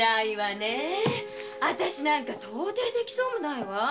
あたしなんか到底できそうもないわ。